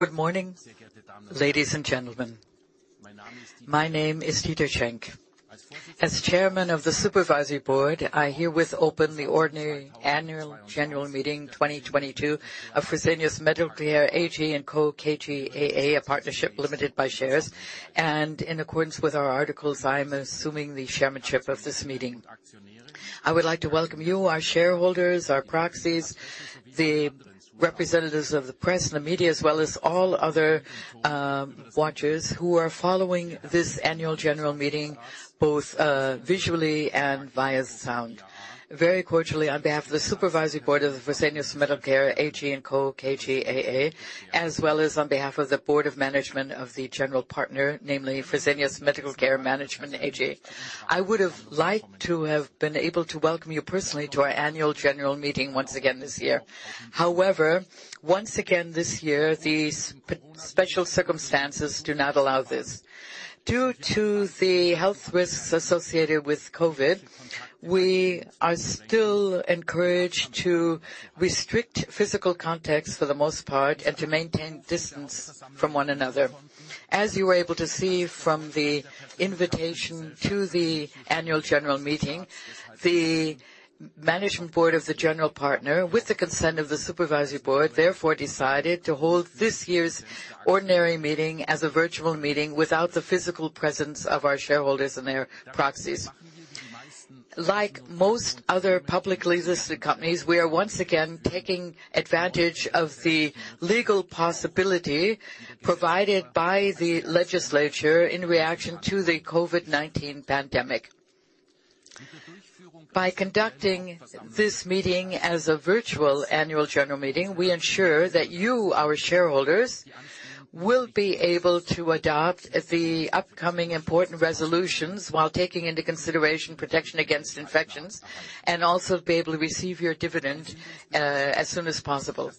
Good morning, ladies and gentlemen. My name is Dieter Schenk. As Chairman of the Supervisory Board, I herewith open the ordinary annual general meeting 2022 of Fresenius Medical Care AG & Co. KGaA, a partnership limited by shares. In accordance with our articles, I am assuming the chairmanship of this meeting. I would like to welcome you, our shareholders, our proxies, the representatives of the press and the media, as well as all other watchers who are following this annual general meeting, both visually and via sound. Very cordially on behalf of the Supervisory Board of the Fresenius Medical Care AG & Co. KGaA, as well as on behalf of the Board of Management of the general partner, namely Fresenius Medical Care Management AG. I would have liked to have been able to welcome you personally to our annual general meeting once again this year. However, once again this year, the special circumstances do not allow this. Due to the health risks associated with COVID, we are still encouraged to restrict physical contacts for the most part and to maintain distance from one another. As you were able to see from the invitation to the annual general meeting, the management board of the general partner, with the consent of the supervisory board, therefore decided to hold this year's ordinary meeting as a virtual meeting without the physical presence of our shareholders and their proxies. Like most other publicly listed companies, we are once again taking advantage of the legal possibility provided by the legislature in reaction to the COVID-19 pandemic. By conducting this meeting as a virtual annual general meeting, we ensure that you, our shareholders, will be able to adopt the upcoming important resolutions while taking into consideration protection against infections and also be able to receive your dividend as soon as possible.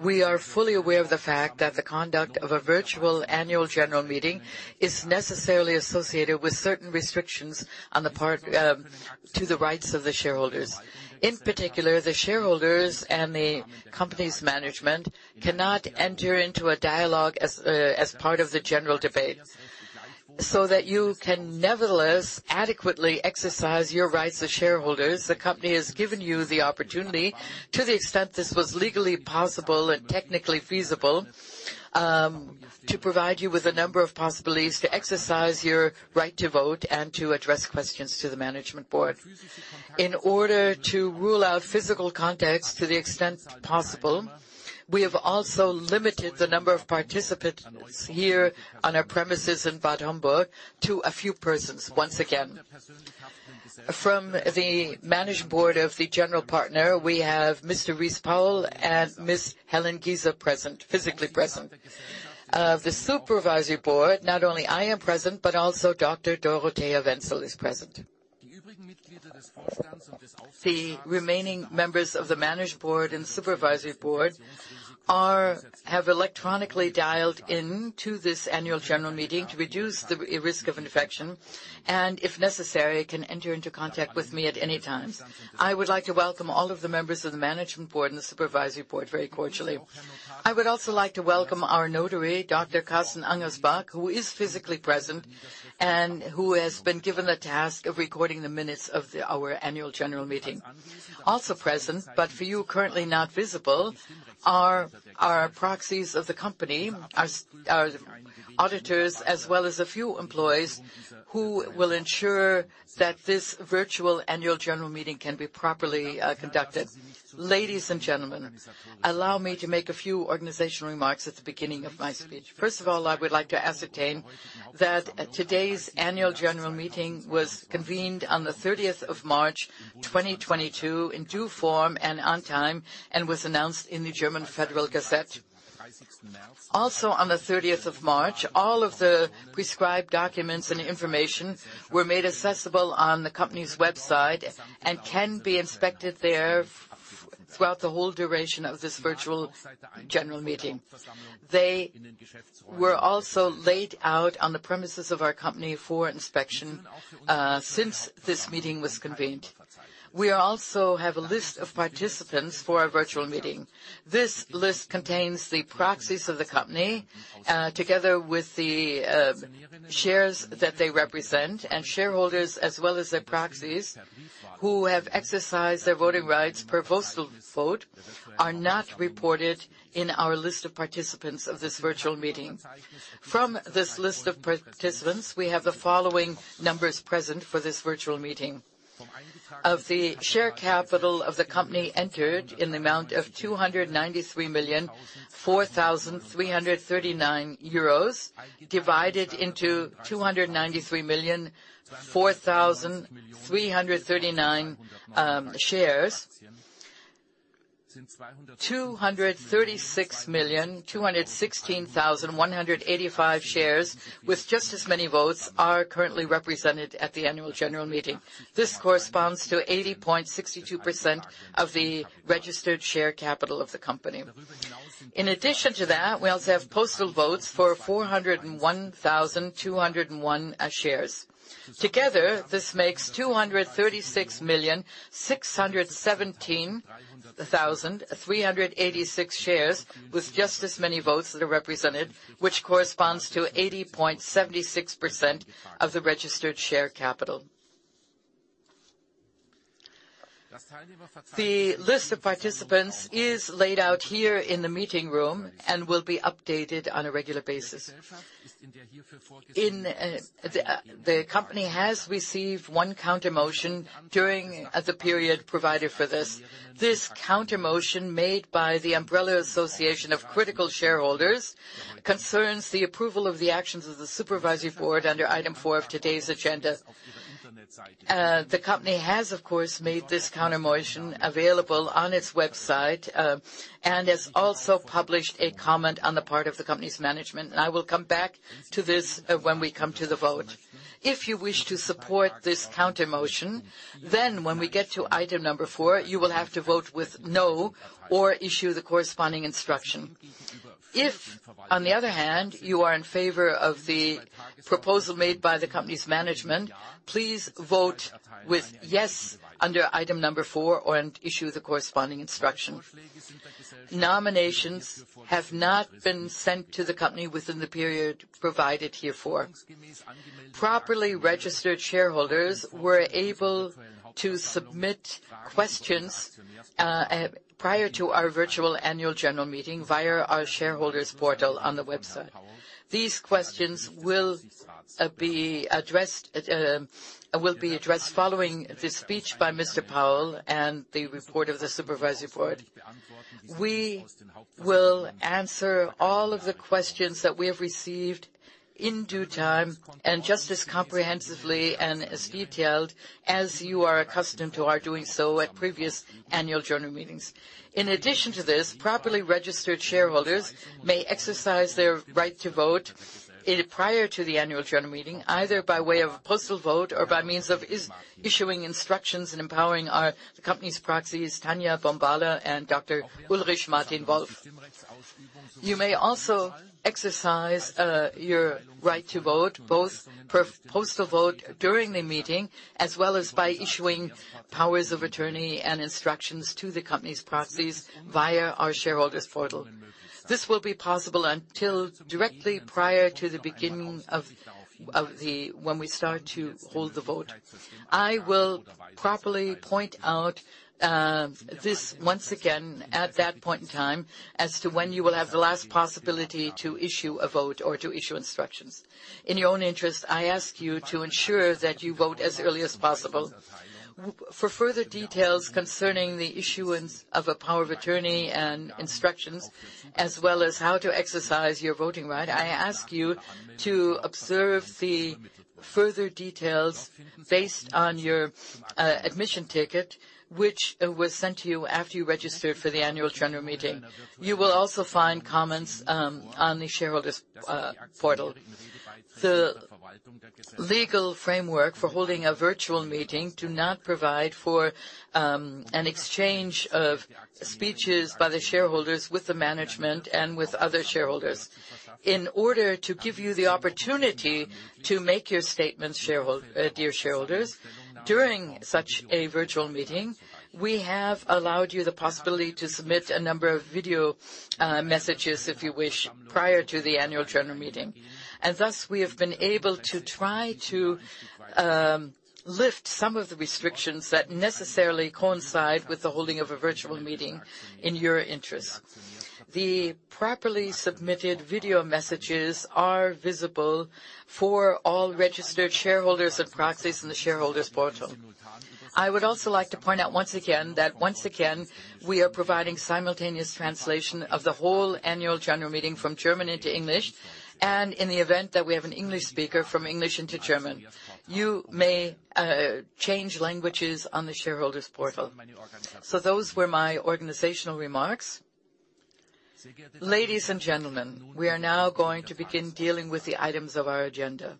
We are fully aware of the fact that the conduct of a virtual annual general meeting is necessarily associated with certain restrictions on the part of the shareholders. In particular, the shareholders and the company's management cannot enter into a dialogue as part of the general debate. So that you can nevertheless adequately exercise your rights as shareholders, the company has given you the opportunity, to the extent this was legally possible and technically feasible, to provide you with a number of possibilities to exercise your right to vote and to address questions to the management board. In order to rule out physical contacts to the extent possible, we have also limited the number of participants here on our premises in Bad Homburg to a few persons once again. From the management board of the general partner, we have Mr. Rice Powell and Miss Helen Giza present, physically present. The supervisory board, not only I am present, but also Dr. Dorothea Wenzel is present. The remaining members of the management board and supervisory board have electronically dialed in to this annual general meeting to reduce the risk of infection, and if necessary, can enter into contact with me at any time. I would like to welcome all of the members of the management board and the supervisory board very cordially. I would also like to welcome our notary, Dr. Carsten Angersbach, who is physically present and who has been given the task of recording the minutes of our annual general meeting. Also present, but for you currently not visible, are proxies of the company, our auditors, as well as a few employees who will ensure that this virtual annual general meeting can be properly conducted. Ladies and gentlemen, allow me to make a few organizational remarks at the beginning of my speech. First of all, I would like to ascertain that today's annual general meeting was convened on the thirtieth of March 2022 in due form and on time, and was announced in the German Federal Gazette. Also on the 30th of March, all of the prescribed documents and information were made accessible on the company's website and can be inspected there throughout the whole duration of this virtual general meeting. They were also laid out on the premises of our company for inspection since this meeting was convened. We also have a list of participants for our virtual meeting. This list contains the proxies of the company together with the shares that they represent, and shareholders as well as their proxies who have exercised their voting rights per postal vote are not reported in our list of participants of this virtual meeting. From this list of participants, we have the following numbers present for this virtual meeting. Of the share capital of the company entered in the amount of 293,004,339 euros, divided into 293,004,339 shares. 236,216,185 shares with just as many votes are currently represented at the annual general meeting. This corresponds to 80.62% of the registered share capital of the company. In addition to that, we also have postal votes for 401,201 shares. Together, this makes 236,617,386 shares with just as many votes that are represented, which corresponds to 80.76% of the registered share capital. The list of participants is laid out here in the meeting room and will be updated on a regular basis. The company has received one counter motion during the period provided for this. This counter motion made by the Association of Ethical Shareholders Germany concerns the approval of the actions of the supervisory board under item four of today's agenda. The company has, of course, made this counter motion available on its website, and has also published a comment on the part of the company's management. I will come back to this when we come to the vote. If you wish to support this counter motion, then when we get to item number four, you will have to vote with no or issue the corresponding instruction. If, on the other hand, you are in favor of the proposal made by the company's management, please vote with yes under item number four or and issue the corresponding instruction. Nominations have not been sent to the company within the period provided therefor. Properly registered shareholders were able to submit questions prior to our virtual annual general meeting via our shareholders portal on the website. These questions will be addressed following the speech by Mr. Rice Powell and the report of the Supervisory Board. We will answer all of the questions that we have received in due time and just as comprehensively and as detailed as you are accustomed to our doing so at previous annual general meetings. In addition to this, properly registered shareholders may exercise their right to vote prior to the annual general meeting, either by way of postal vote or by means of issuing instructions and empowering the company's proxies, Tanya Bombala and Dr. Ulrich Martin Wolf. You may also exercise your right to vote, both per postal vote during the meeting, as well as by issuing powers of attorney and instructions to the company's proxies via our shareholders portal. This will be possible until directly prior to the beginning of when we start to hold the vote. I will properly point out this once again at that point in time as to when you will have the last possibility to issue a vote or to issue instructions. In your own interest, I ask you to ensure that you vote as early as possible. For further details concerning the issuance of a power of attorney and instructions, as well as how to exercise your voting right, I ask you to observe the further details based on your admission ticket, which was sent to you after you registered for the annual general meeting. You will also find comments on the shareholders portal. The legal framework for holding a virtual meeting do not provide for an exchange of speeches by the shareholders with the management and with other shareholders. In order to give you the opportunity to make your statements dear shareholders, during such a virtual meeting, we have allowed you the possibility to submit a number of video messages, if you wish, prior to the annual general meeting. Thus, we have been able to try to lift some of the restrictions that necessarily coincide with the holding of a virtual meeting in your interest. The properly submitted video messages are visible for all registered shareholders and proxies in the shareholders portal. I would also like to point out once again that we are providing simultaneous translation of the whole annual general meeting from German into English, and in the event that we have an English speaker from English into German. You may change languages on the shareholders portal. Those were my organizational remarks. Ladies and gentlemen, we are now going to begin dealing with the items of our agenda.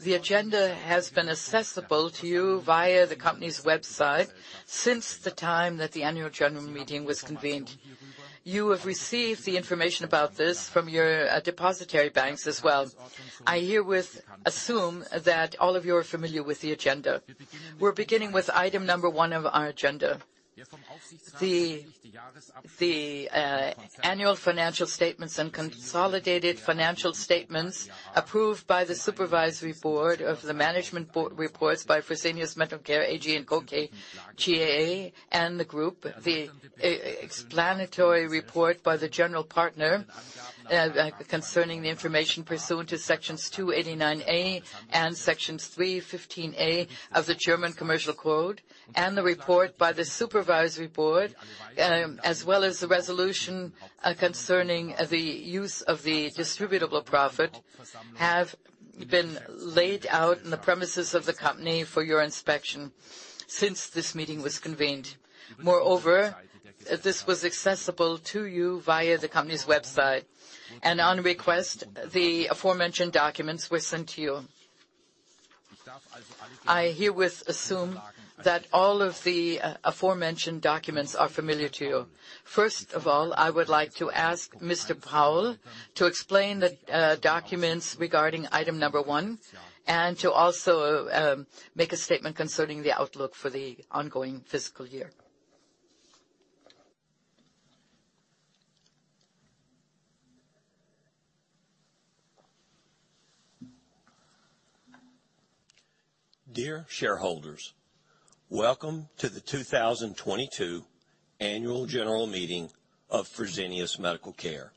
The agenda has been accessible to you via the company's website since the time that the annual general meeting was convened. You have received the information about this from your depositary banks as well. I herewith assume that all of you are familiar with the agenda. We're beginning with item number one of our agenda. The annual financial statements and consolidated financial statements approved by the supervisory board of the management board reports by Fresenius Medical Care AG & Co. KGaA and the group, the explanatory report by the general partner concerning the information pursuant to Sections 289a and 315a of the German Commercial Code, and the report by the supervisory board, as well as the resolution concerning the use of the distributable profit, have been laid out in the premises of the company for your inspection since this meeting was convened. Moreover, this was accessible to you via the company's website, and on request, the aforementioned documents were sent to you. I herewith assume that all of the aforementioned documents are familiar to you. First of all, I would like to ask Mr. Powell to explain the documents regarding item number one and to also make a statement concerning the outlook for the ongoing fiscal year. Dear shareholders, welcome to the 2022 annual general meeting of Fresenius Medical Care.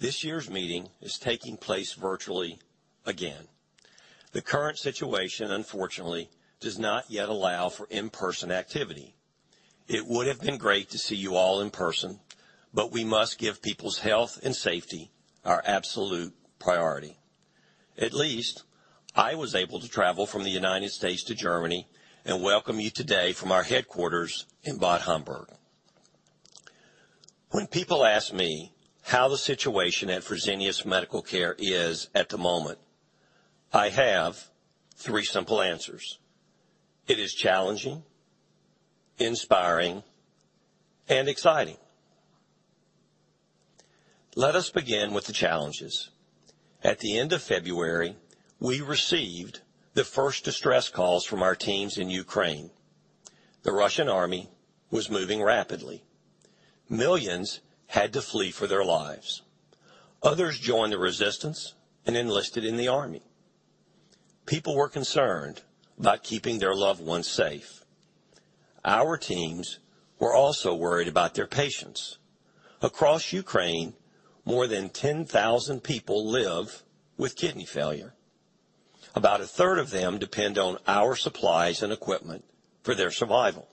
This year's meeting is taking place virtually again. The current situation, unfortunately, does not yet allow for in-person activity. It would have been great to see you all in person, but we must give people's health and safety our absolute priority. At least I was able to travel from the United States to Germany and welcome you today from our headquarters in Bad Homburg. When people ask me how the situation at Fresenius Medical Care is at the moment, I have three simple answers. It is challenging, inspiring, and exciting. Let us begin with the challenges. At the end of February, we received the first distress calls from our teams in Ukraine. The Russian army was moving rapidly. Millions had to flee for their lives. Others joined the resistance and enlisted in the army. People were concerned about keeping their loved ones safe. Our teams were also worried about their patients. Across Ukraine, more than 10,000 people live with kidney failure. About 1/3 of them depend on our supplies and equipment for their survival.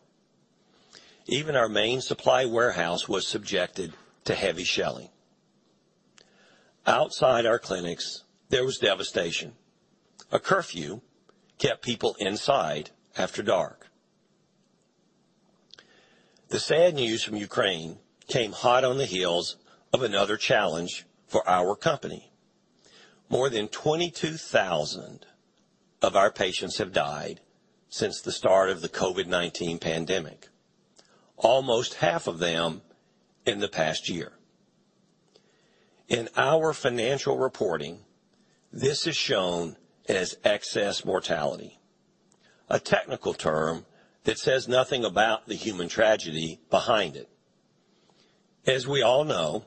Even our main supply warehouse was subjected to heavy shelling. Outside our clinics, there was devastation. A curfew kept people inside after dark. The sad news from Ukraine came hot on the heels of another challenge for our company. More than 22,000 of our patients have died since the start of the COVID-19 pandemic, almost half of them in the past year. In our financial reporting, this is shown as excess mortality, a technical term that says nothing about the human tragedy behind it. As we all know,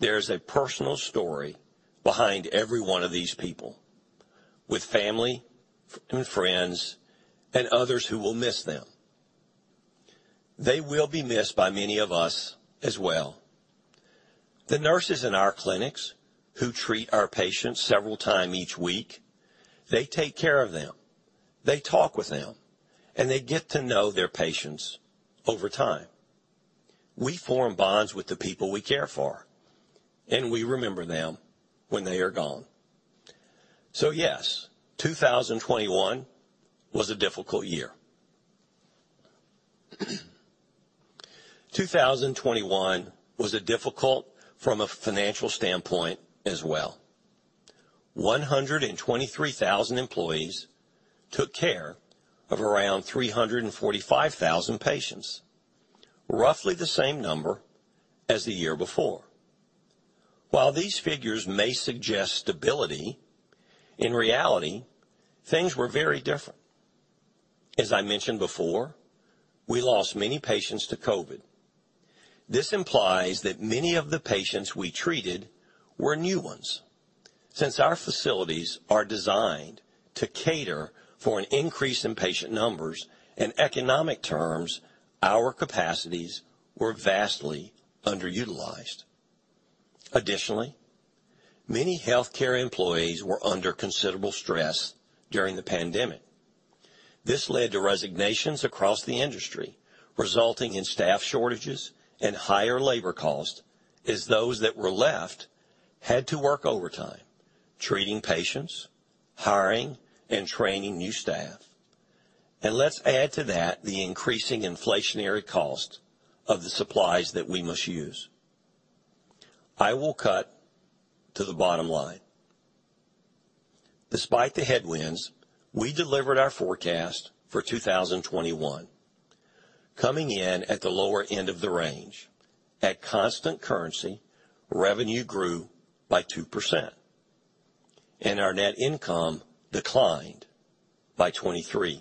there is a personal story behind every one of these people with family, friends, and others who will miss them. They will be missed by many of us as well. The nurses in our clinics who treat our patients several times each week, they take care of them, they talk with them, and they get to know their patients over time. We form bonds with the people we care for, and we remember them when they are gone. Yes, 2021 was a difficult year. 2021 was difficult from a financial standpoint as well. 123,000 employees took care of around 345,000 patients, roughly the same number as the year before. While these figures may suggest stability, in reality, things were very different. As I mentioned before, we lost many patients to COVID. This implies that many of the patients we treated were new ones. Since our facilities are designed to cater for an increase in patient numbers, in economic terms, our capacities were vastly underutilized. Additionally, many healthcare employees were under considerable stress during the pandemic. This led to resignations across the industry, resulting in staff shortages and higher labor cost as those that were left had to work overtime, treating patients, hiring, and training new staff. Let's add to that the increasing inflationary cost of the supplies that we must use. I will cut to the bottom line. Despite the headwinds, we delivered our forecast for 2021, coming in at the lower end of the range. At constant currency, revenue grew by 2% and our net income declined by 23%.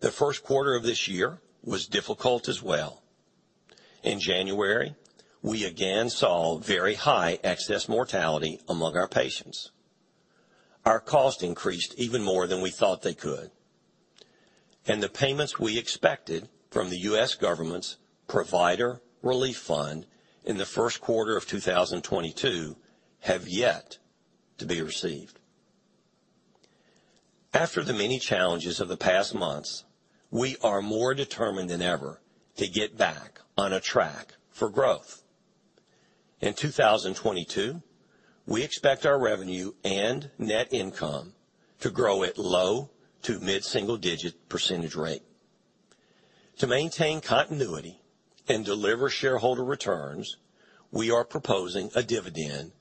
The first quarter of this year was difficult as well. In January, we again saw very high excess mortality among our patients. Our costs increased even more than we thought they could. The payments we expected from the US government's Provider Relief Fund in the first quarter of 2022 have yet to be received. After the many challenges of the past months, we are more determined than ever to get back on a track for growth. In 2022, we expect our revenue and net income to grow at low to mid single-digit percentage rate. To maintain continuity and deliver shareholder returns, we are proposing a dividend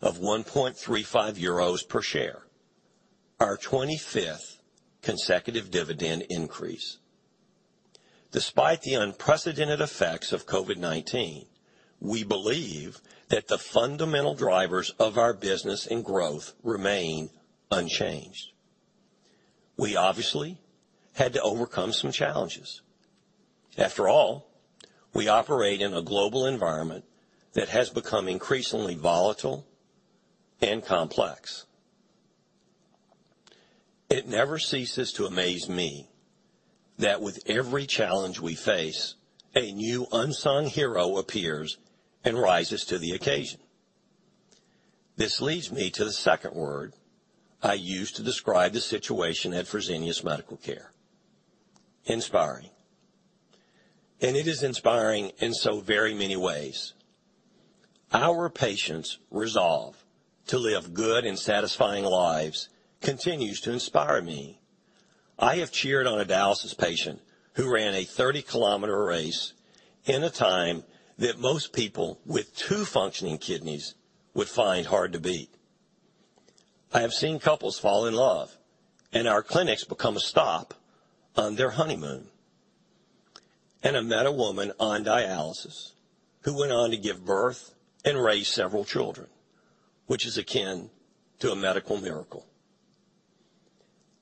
of 1.35 euros per share. Our 25th consecutive dividend increase. Despite the unprecedented effects of COVID-19, we believe that the fundamental drivers of our business and growth remain unchanged. We obviously had to overcome some challenges. After all, we operate in a global environment that has become increasingly volatile and complex. It never ceases to amaze me that with every challenge we face, a new unsung hero appears and rises to the occasion. This leads me to the second word I use to describe the situation at Fresenius Medical Care, inspiring. It is inspiring in so very many ways. Our patients resolve to live good and satisfying lives continues to inspire me. I have cheered on a dialysis patient who ran a 30km race in a time that most people with two functioning kidneys would find hard to beat. I have seen couples fall in love, and our clinics become a stop on their honeymoon. I met a woman on dialysis who went on to give birth and raise several children, which is akin to a medical miracle.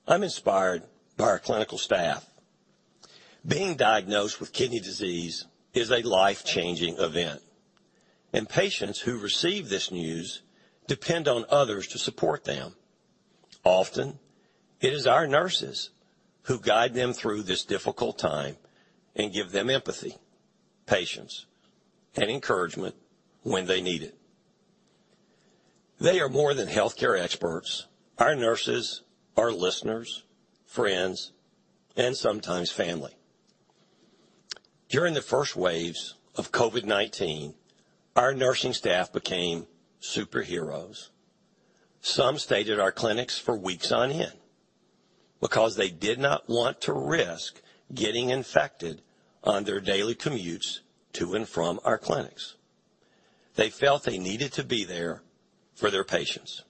I'm inspired by our clinical staff. Being diagnosed with kidney disease is a life-changing event, and patients who receive this news depend on others to support them. Often, it is our nurses who guide them through this difficult time and give them empathy, patience, and encouragement when they need it. They are more than healthcare experts. Our nurses are listeners, friends, and sometimes family. During the first waves of COVID-19, our nursing staff became superheroes. Some stayed at our clinics for weeks on end because they did not want to risk getting infected on their daily commutes to and from our clinics. They felt they needed to be there for their patients.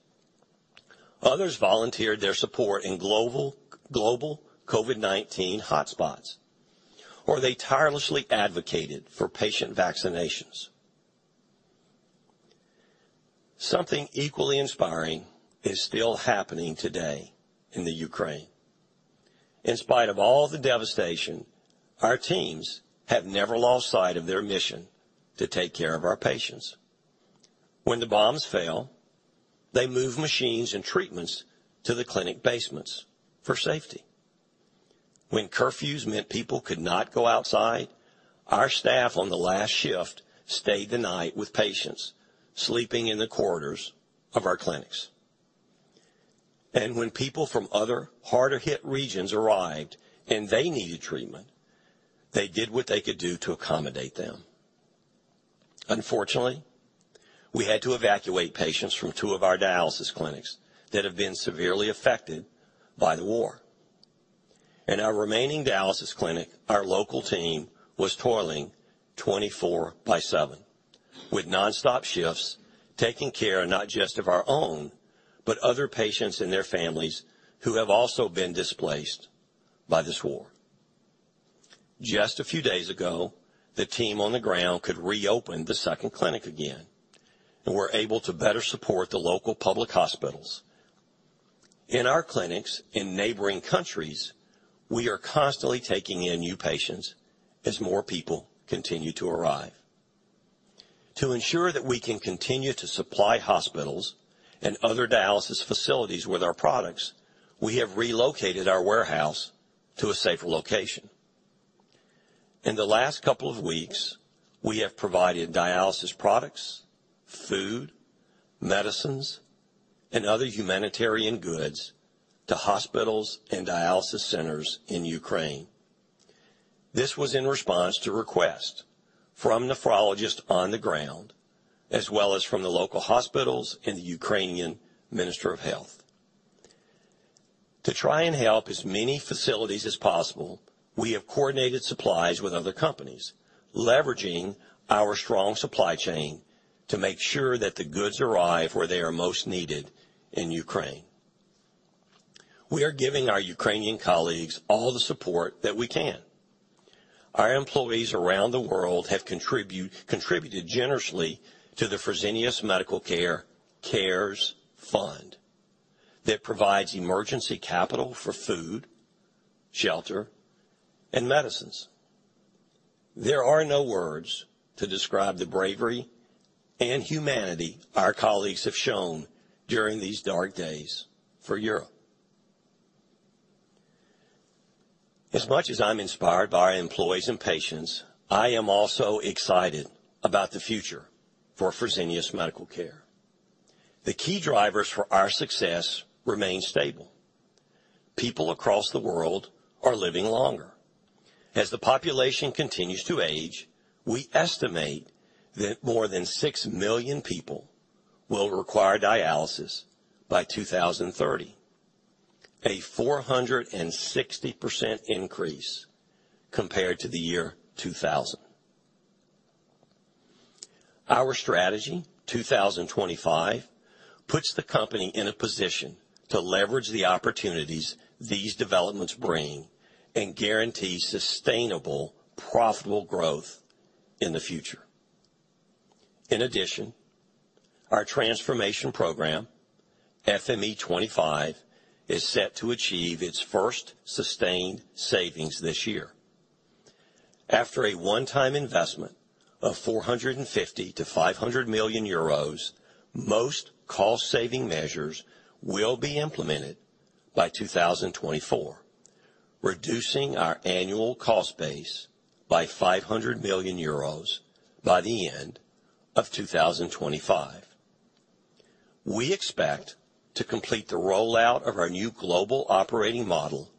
Others volunteered their support in global COVID-19 hotspots, or they tirelessly advocated for patient vaccinations. Something equally inspiring is still happening today in the Ukraine. In spite of all the devastation, our teams have never lost sight of their mission to take care of our patients. When the bombs fail, they move machines and treatments to the clinic basements for safety. When curfews meant people could not go outside, our staff on the last shift stayed the night with patients, sleeping in the corridors of our clinics. When people from other harder-hit regions arrived and they needed treatment, they did what they could do to accommodate them. Unfortunately, we had to evacuate patients from two of our dialysis clinics that have been severely affected by the war. In our remaining dialysis clinic, our local team was toiling 24/7, with nonstop shifts, taking care not just of our own, but other patients and their families who have also been displaced by this war. Just a few days ago, the team on the ground could reopen the second clinic again, and we're able to better support the local public hospitals. In our clinics in neighboring countries, we are constantly taking in new patients as more people continue to arrive. To ensure that we can continue to supply hospitals and other dialysis facilities with our products, we have relocated our warehouse to a safer location. In the last couple of weeks, we have provided dialysis products, food, medicines, and other humanitarian goods to hospitals and dialysis centers in Ukraine. This was in response to requests from nephrologists on the ground, as well as from the local hospitals and the Ukrainian Minister of Health. To try and help as many facilities as possible, we have coordinated supplies with other companies, leveraging our strong supply chain to make sure that the goods arrive where they are most needed in Ukraine. We are giving our Ukrainian colleagues all the support that we can. Our employees around the world have contributed generously to the Fresenius Medical Care CARES Fund that provides emergency capital for food, shelter, and medicines. There are no words to describe the bravery and humanity our colleagues have shown during these dark days for Europe. As much as I'm inspired by our employees and patients, I am also excited about the future for Fresenius Medical Care. The key drivers for our success remain stable. People across the world are living longer. As the population continues to age, we estimate that more than 6 million people will require dialysis by 2030, a 460% increase compared to the year 2000. Our Strategy 2025 puts the company in a position to leverage the opportunities these developments bring and guarantee sustainable, profitable growth in the future. In addition, our transformation program, FME25, is set to achieve its first sustained savings this year. After a one-time investment of 450 million-500 million euros, most cost saving measures will be implemented by 2024, reducing our annual cost base by 500 million euros by the end of 2025. We expect to complete the rollout of our new global operating model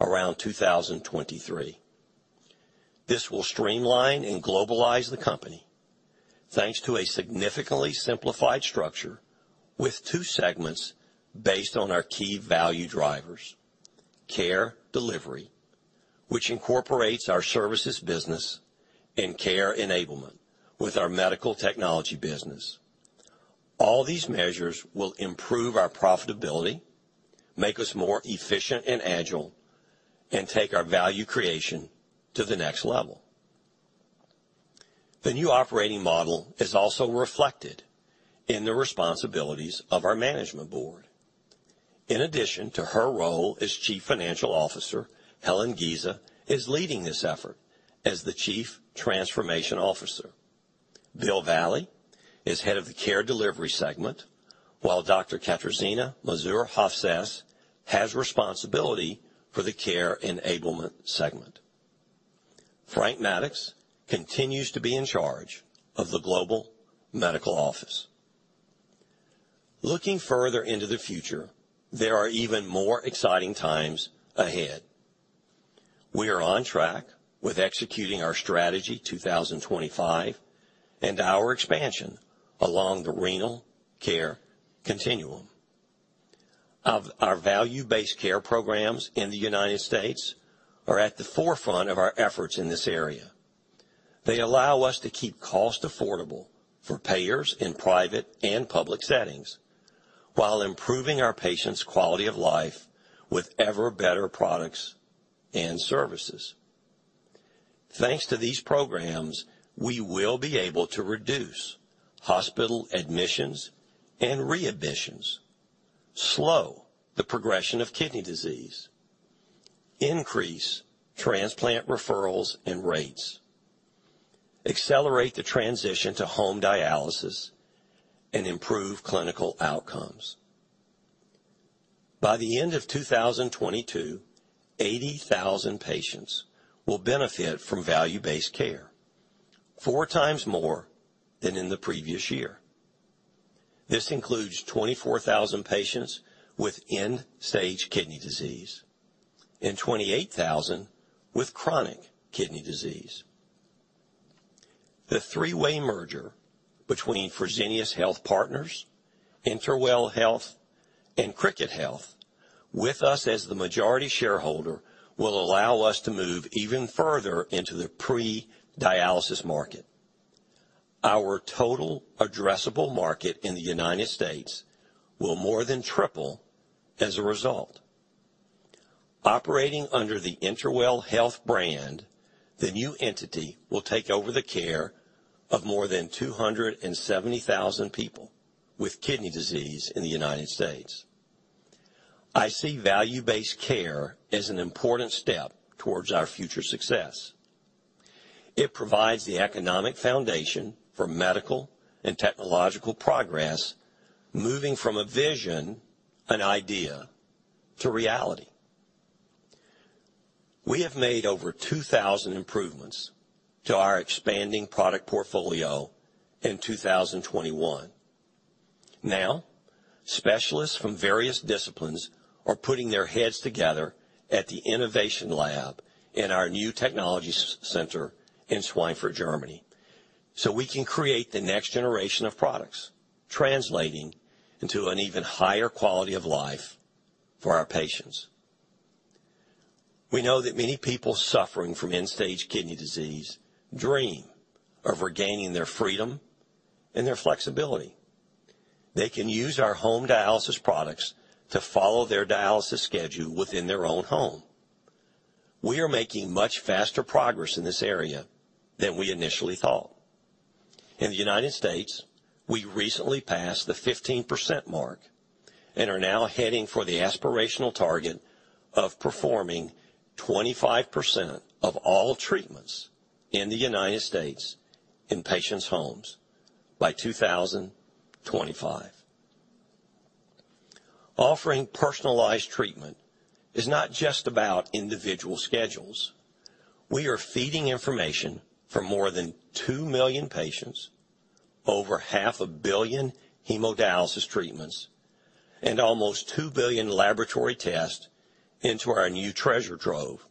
around 2023. This will streamline and globalize the company thanks to a significantly simplified structure with two segments based on our key value drivers, Care Delivery, which incorporates our services business, and Care Enablement with our medical technology business. All these measures will improve our profitability, make us more efficient and agile, and take our value creation to the next level. The new operating model is also reflected in the responsibilities of our Management Board. In addition to her role as Chief Financial Officer, Helen Giza is leading this effort as the Chief Transformation Officer. William Valle is head of the Care Delivery segment, while Dr. Katarzyna Mazur-Hofsäß has responsibility for the Care Enablement segment. Franklin Maddux continues to be in charge of the Global Medical Office. Looking further into the future, there are even more exciting times ahead. We are on track with executing our Strategy 2025 and our expansion along the Renal Care Continuum. One of our Value-Based Care programs in the United States are at the forefront of our efforts in this area. They allow us to keep cost affordable for payers in private and public settings while improving our patients' quality of life with ever better products and services. Thanks to these programs, we will be able to reduce hospital admissions and readmissions, slow the progression of kidney disease, increase transplant referrals and rates, accelerate the transition to home dialysis, and improve clinical outcomes. By the end of 2022, 80,000 patients will benefit from Value-Based Care, four times more than in the previous year. This includes 24,000 patients with end-stage kidney disease and 28,000 with chronic kidney disease. The three-way merger between Fresenius Health Partners, InterWell Health, and Cricket Health, with us as the majority shareholder, will allow us to move even further into the pre-dialysis market. Our total addressable market in the United States will more than triple as a result. Operating under the InterWell Health brand, the new entity will take over the care of more than 270,000 people with kidney disease in the United States. I see Value-Based Care as an important step towards our future success. It provides the economic foundation for medical and technological progress, moving from a vision, an idea, to reality. We have made over 2,000 improvements to our expanding product portfolio in 2021. Now, specialists from various disciplines are putting their heads together at the innovation lab in our new technology center in Schweinfurt, Germany, so we can create the next generation of products, translating into an even higher quality of life for our patients. We know that many people suffering from end-stage kidney disease dream of regaining their freedom and their flexibility. They can use our home dialysis products to follow their dialysis schedule within their own home. We are making much faster progress in this area than we initially thought. In the United States, we recently passed the 15% mark and are now heading for the aspirational target of performing 25% of all treatments in the United States in patients' homes by 2025. Offering personalized treatment is not just about individual schedules. We are feeding information from more than 2 million patients, over 500 million hemodialysis treatments, and almost 2 billion laboratory tests into our new treasure trove,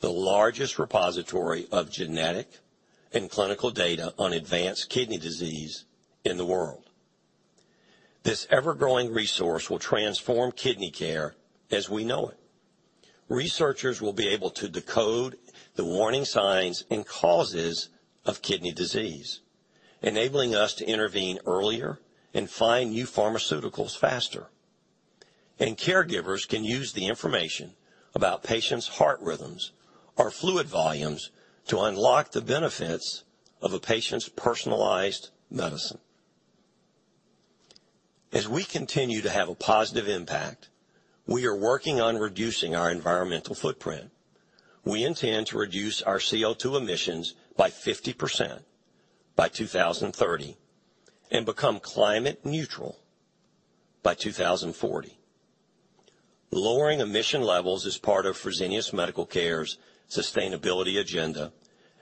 the largest repository of genetic and clinical data on advanced kidney disease in the world. This ever-growing resource will transform kidney care as we know it. Researchers will be able to decode the warning signs and causes of kidney disease, enabling us to intervene earlier and find new pharmaceuticals faster. Caregivers can use the information about patients' heart rhythms or fluid volumes to unlock the benefits of a patient's personalized medicine. As we continue to have a positive impact, we are working on reducing our environmental footprint. We intend to reduce our CO2 emissions by 50% by 2030 and become climate neutral by 2040. Lowering emission levels is part of Fresenius Medical Care's sustainability agenda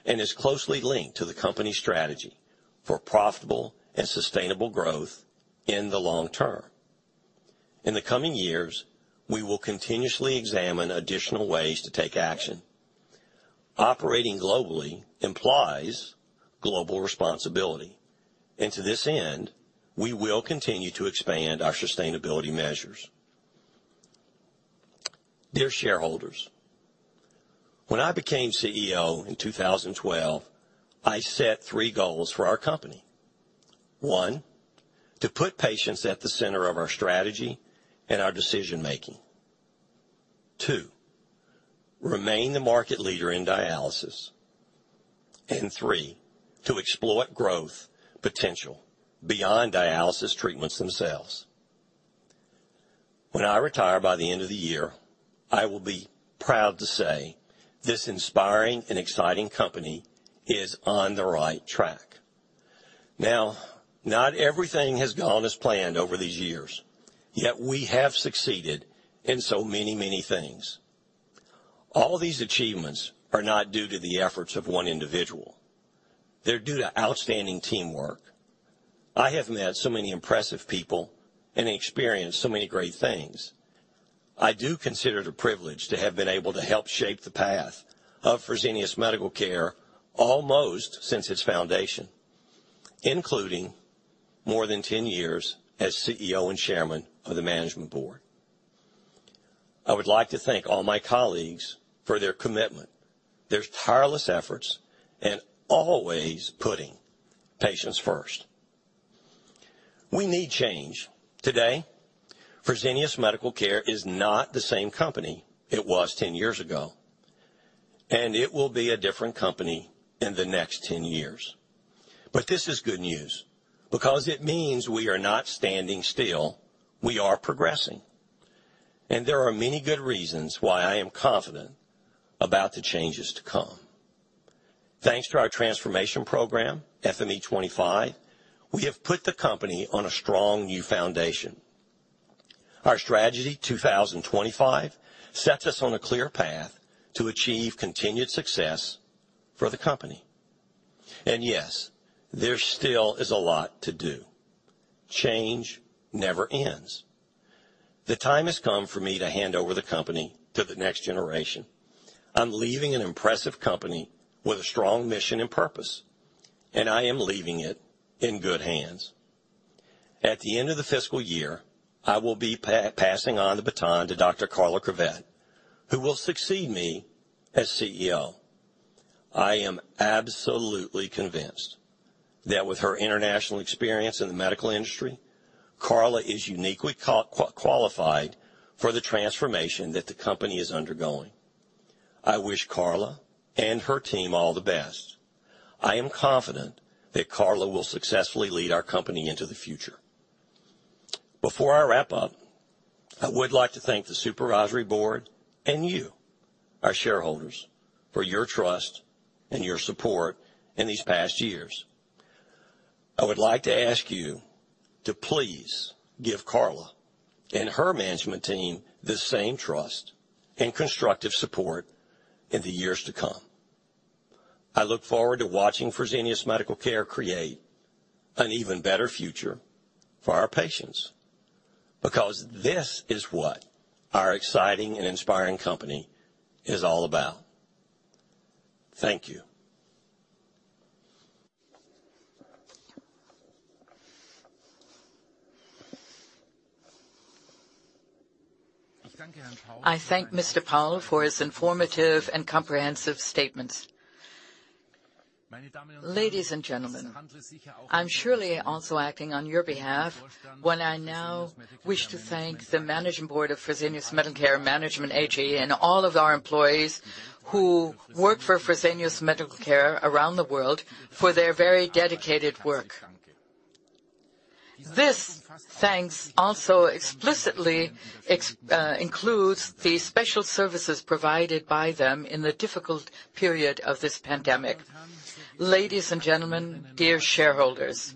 and is closely linked to the company's strategy for profitable and sustainable growth in the long term. In the coming years, we will continuously examine additional ways to take action. Operating globally implies global responsibility, and to this end, we will continue to expand our sustainability measures. Dear shareholders, when I became CEO in 2012, I set three goals for our company. One, to put patients at the center of our strategy and our decision-making. Two, remain the market leader in dialysis. Three, to exploit growth potential beyond dialysis treatments themselves. When I retire by the end of the year, I will be proud to say this inspiring and exciting company is on the right track. Now, not everything has gone as planned over these years, yet we have succeeded in so many, many things. All these achievements are not due to the efforts of one individual. They're due to outstanding teamwork. I have met so many impressive people and experienced so many great things. I do consider it a privilege to have been able to help shape the path of Fresenius Medical Care almost since its foundation, including more than 10 years as CEO and chairman of the management board. I would like to thank all my colleagues for their commitment, their tireless efforts, and always putting patients first. We need change. Today, Fresenius Medical Care is not the same company it was 10 years ago, and it will be a different company in the next 10 years. This is good news because it means we are not standing still, we are progressing. There are many good reasons why I am confident about the changes to come. Thanks to our transformation program, FME25, we have put the company on a strong new foundation. Our Strategy 2025 sets us on a clear path to achieve continued success for the company. Yes, there still is a lot to do. Change never ends. The time has come for me to hand over the company to the next generation. I'm leaving an impressive company with a strong mission and purpose, and I am leaving it in good hands. At the end of the fiscal year, I will be passing on the baton to Dr. Carla Kriwet, who will succeed me as CEO. I am absolutely convinced that with her international experience in the medical industry, Carla Kriwet is uniquely qualified for the transformation that the company is undergoing. I wish Carla Kriwet and her team all the best. I am confident that Carla will successfully lead our company into the future. Before I wrap up, I would like to thank the supervisory board and you, our shareholders, for your trust and your support in these past years. I would like to ask you to please give Carla and her management team the same trust and constructive support in the years to come. I look forward to watching Fresenius Medical Care create an even better future for our patients, because this is what our exciting and inspiring company is all about. Thank you. I thank Mr. Rice Powell for his informative and comprehensive statements. Ladies and gentlemen, I'm surely also acting on your behalf when I now wish to thank the managing board of Fresenius Medical Care Management AG, and all of our employees who work for Fresenius Medical Care around the world for their very dedicated work. This thanks also explicitly includes the special services provided by them in the difficult period of this pandemic. Ladies and gentlemen, dear shareholders,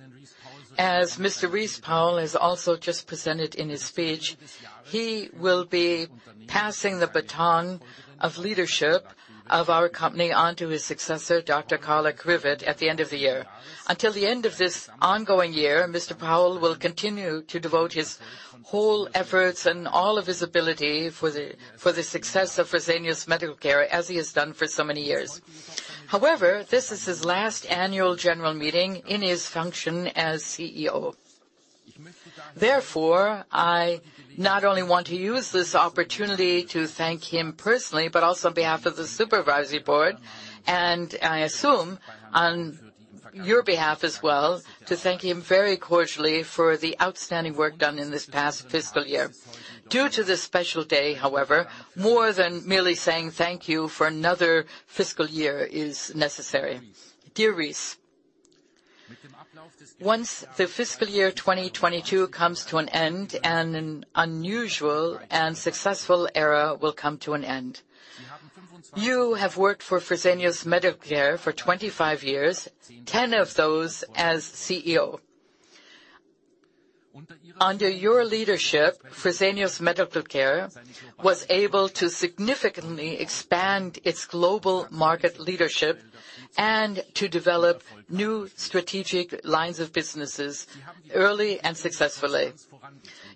as Mr. Rice Powell has also just presented in his speech, he will be passing the baton of leadership of our company on to his successor, Dr. Carla Kriwet, at the end of the year. Until the end of this ongoing year, Mr. Rice Powell will continue to devote his whole efforts and all of his ability for the success of Fresenius Medical Care, as he has done for so many years. However, this is his last annual general meeting in his function as CEO. Therefore, I not only want to use this opportunity to thank him personally, but also on behalf of the supervisory board, and I assume on your behalf as well, to thank him very cordially for the outstanding work done in this past fiscal year. Due to this special day, however, more than merely saying thank you for another fiscal year is necessary. Dear Rice, once the fiscal year 2022 comes to an end, and an unusual and successful era will come to an end. You have worked for Fresenius Medical Care for 25 years, 10 of those as CEO. Under your leadership, Fresenius Medical Care was able to significantly expand its global market leadership and to develop new strategic lines of businesses early and successfully.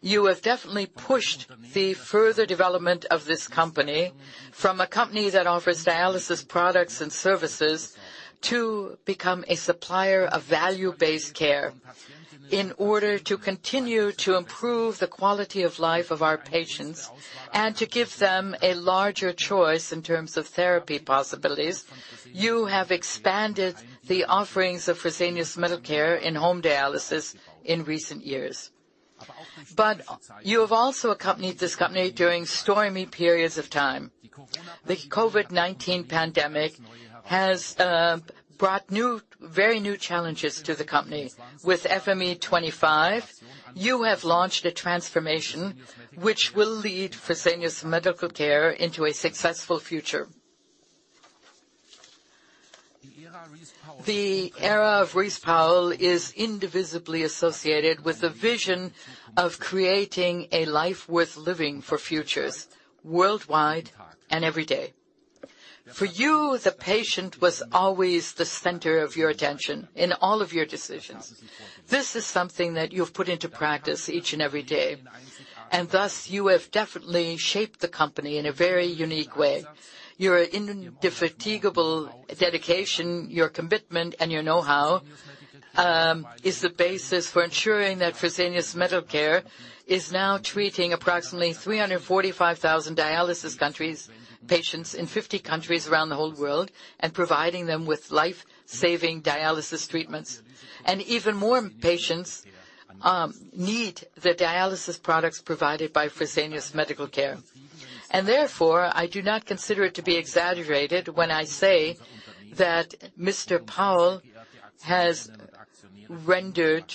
You have definitely pushed the further development of this company from a company that offers dialysis products and services to become a supplier of value-based care. In order to continue to improve the quality of life of our patients and to give them a larger choice in terms of therapy possibilities, you have expanded the offerings of Fresenius Medical Care in home dialysis in recent years. You have also accompanied this company during stormy periods of time. The COVID-19 pandemic has brought new, very new challenges to the company. With FME25, you have launched a transformation which will lead Fresenius Medical Care into a successful future. The era of Rice Powell is indivisibly associated with the vision of creating a life worth living for futures worldwide and every day. For you, the patient was always the center of your attention in all of your decisions. This is something that you've put into practice each and every day, and thus you have definitely shaped the company in a very unique way. Your indefatigable dedication, your commitment, and your know-how is the basis for ensuring that Fresenius Medical Care is now treating approximately 345,000 dialysis patients in 50 countries around the whole world and providing them with life-saving dialysis treatments. Even more patients need the dialysis products provided by Fresenius Medical Care. Therefore, I do not consider it to be exaggerated when I say that Mr. Powell has rendered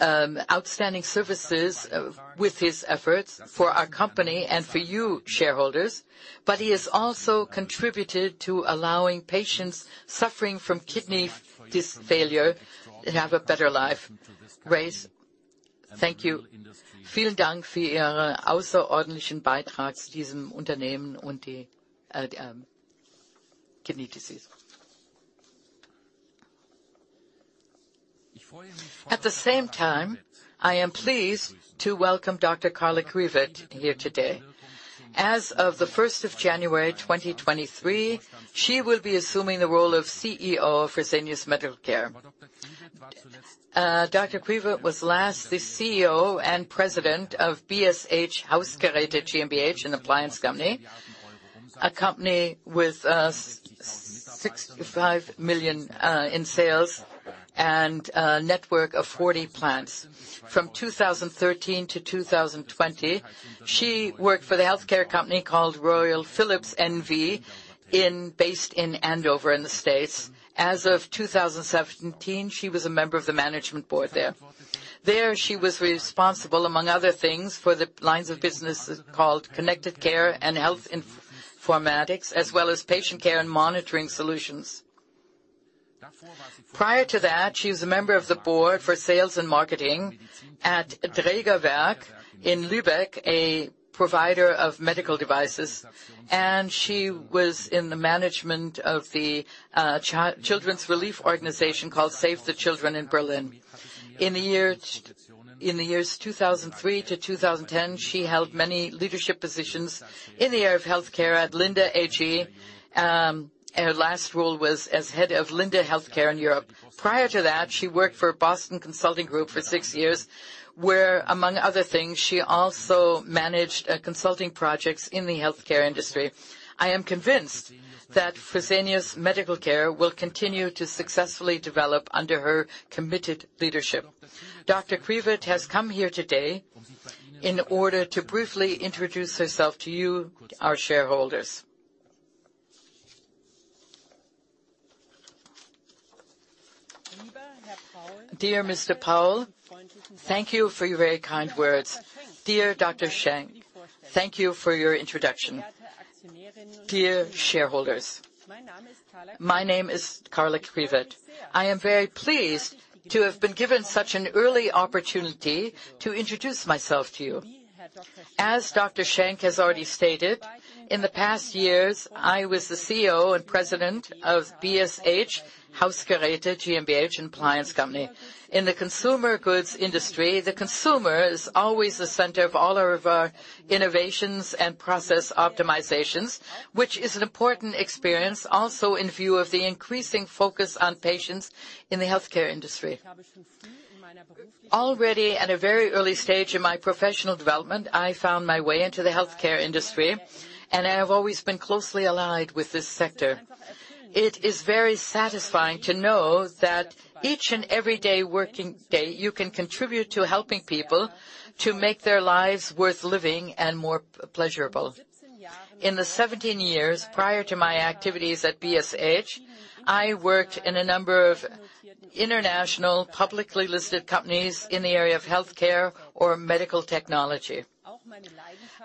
outstanding services with his efforts for our company and for you shareholders, but he has also contributed to allowing patients suffering from kidney failure to have a better life. Rice, thank you. At the same time, I am pleased to welcome Dr. Carla Kriwet here today. As of January 1, 2023, she will be assuming the role of CEO of Fresenius Medical Care. Dr. Kriwet was last the CEO and President of BSH Hausgeräte GmbH, an appliance company. A company with 65 million in sales and a network of 40 plants. From 2013 to 2020, she worked for the healthcare company called Royal Philips N.V. based in Andover in the States. As of 2017, she was a member of the management board there. There, she was responsible, among other things, for the lines of businesses called Connected Care and Health Informatics, as well as Patient Care and Monitoring Solutions. Prior to that, she was a member of the board for sales and marketing at Drägerwerk in Lübeck, a provider of medical devices, and she was in the management of the children's relief organization called Save the Children in Berlin. In the years 2003 to 2010, she held many leadership positions in the area of healthcare at Linde AG. Her last role was as head of Linde Healthcare in Europe. Prior to that, she worked for Boston Consulting Group for six years, where, among other things, she also managed consulting projects in the healthcare industry. I am convinced that Fresenius Medical Care will continue to successfully develop under her committed leadership. Dr. Kriwet has come here today in order to briefly introduce herself to you, our shareholders. Dear Mr. Powell, thank you for your very kind words. Dear Dr. Schenk, thank you for your introduction. Dear shareholders, my name is Carla Kriwet. I am very pleased to have been given such an early opportunity to introduce myself to you. As Dr. Schenk has already stated, in the past years, I was the CEO and president of BSH Hausgeräte GmbH, an appliance company. In the consumer goods industry, the consumer is always the center of all of our innovations and process optimizations, which is an important experience also in view of the increasing focus on patients in the healthcare industry. Already, at a very early stage in my professional development, I found my way into the healthcare industry, and I have always been closely allied with this sector. It is very satisfying to know that each and every working day, you can contribute to helping people to make their lives worth living and more pleasurable. In the 17 years prior to my activities at BSH, I worked in a number of international publicly listed companies in the area of healthcare or medical technology.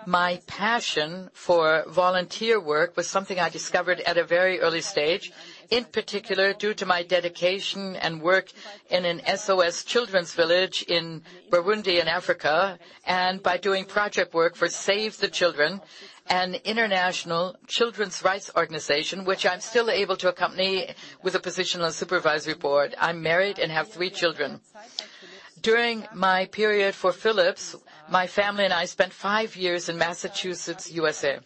My passion for volunteer work was something I discovered at a very early stage, in particular, due to my dedication and work in an SOS Children's Village in Burundi in Africa, and by doing project work for Save the Children, an international children's rights organization, which I'm still able to accompany with a position on supervisory board. I'm married and have three children. During my period at Philips, my family and I spent 5 years in Massachusetts, USA.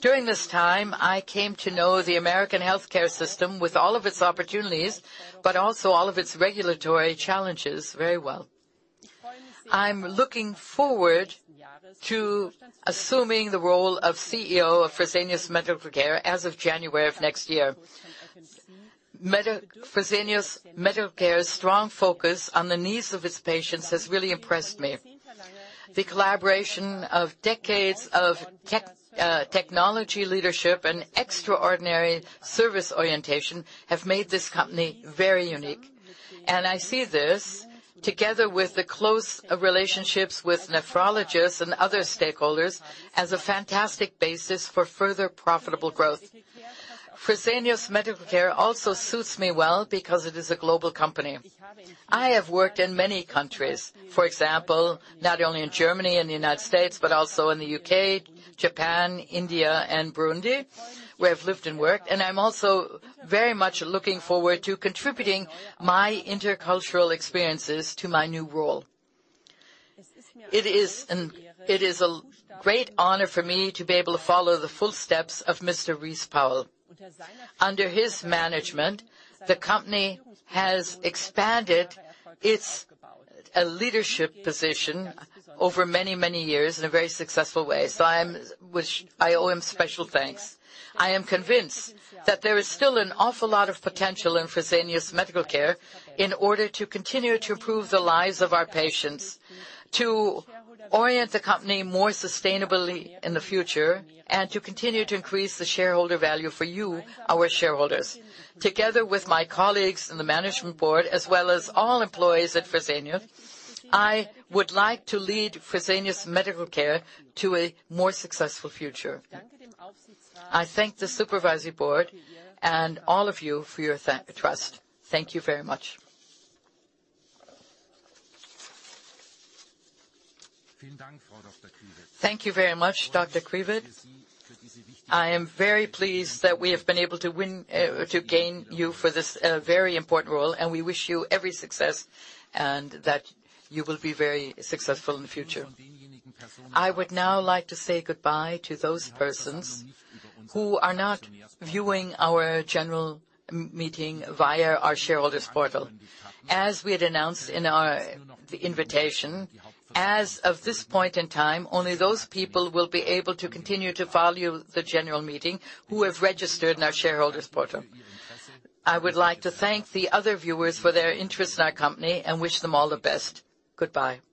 During this time, I came to know the American healthcare system with all of its opportunities, but also all of its regulatory challenges very well. I'm looking forward to assuming the role of CEO of Fresenius Medical Care as of January of next year. Fresenius Medical Care's strong focus on the needs of its patients has really impressed me. The collaboration of decades of tech, technology leadership and extraordinary service orientation have made this company very unique. I see this together with the close relationships with nephrologists and other stakeholders as a fantastic basis for further profitable growth. Fresenius Medical Care also suits me well because it is a global company. I have worked in many countries, for example, not only in Germany and United States, but also in the UK, Japan, India, and Burundi, where I've lived and worked. I'm also very much looking forward to contributing my intercultural experiences to my new role. It is a great honor for me to be able to follow the footsteps of Mr. Rice Powell. Under his management, the company has expanded its leadership position over many, many years in a very successful way, which I owe him special thanks. I am convinced that there is still an awful lot of potential in Fresenius Medical Care in order to continue to improve the lives of our patients, to orient the company more sustainably in the future, and to continue to increase the shareholder value for you, our shareholders. Together with my colleagues in the Management Board as well as all employees at Fresenius, I would like to lead Fresenius Medical Care to a more successful future. I thank the supervisory board and all of you for your trust. Thank you very much. Thank you very much, Dr. Kriwet. I am very pleased that we have been able to win to gain you for this very important role, and we wish you every success and that you will be very successful in the future. I would now like to say goodbye to those persons who are not viewing our general meeting via our shareholders portal. As we had announced in our invitation, as of this point in time, only those people will be able to continue to follow the general meeting who have registered in our shareholders portal. I would like to thank the other viewers for their interest in our company and wish them all the best. Goodbye.